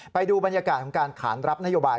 ไปดูบรรยากาศของการขานรับนโยบาย